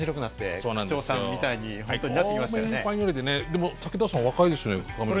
でも武田さん若いですね髪の毛。